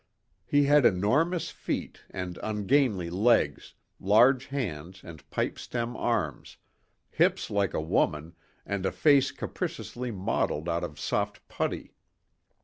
He had enormous feet and ungainly legs, large hands and pipe stem arms, hips like a woman and a face capriciously modeled out of soft putty.